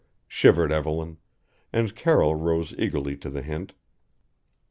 shivered Evelyn and Carroll rose eagerly to the hint.